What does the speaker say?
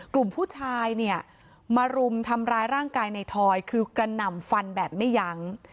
กลุ่มผู้ชายเนี่ยมารุมทำร้ายร่างกายในทอยคือกระหน่ำฟันแบบไม่ยั้ง